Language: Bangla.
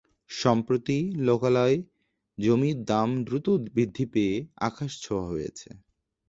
সম্প্রতি লোকালয় জমির দাম দ্রুত বৃদ্ধি পেয়ে আকাশ ছোঁয়া হয়েছে।